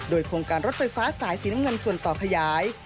โดยโครงการรถไฟฟ้าสายสีน้ำเงินส่วนต่อขยาย